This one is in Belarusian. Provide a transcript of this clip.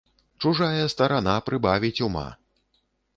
Чужая старана прыбавіць ума!